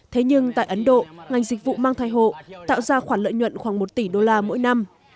thế nhưng tại ấn độ ngành dịch vụ mang thai hộ tạo ra khoản lợi nhuận khoảng một tỷ đô la mỗi năm